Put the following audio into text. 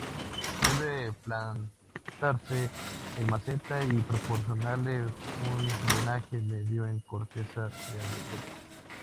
Debe plantarse en maceta y proporcionarle un drenaje medio en corteza de abeto.